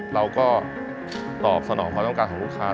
เราก็ตอบสนองความต้องการของลูกค้า